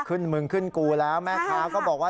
ขึ้นเมืองขึ้นกูแล้วแม่ค้าก็บอกว่า